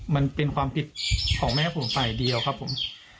มันเป็นความผิดของแม่ผมฝ่ายเดียวครับผม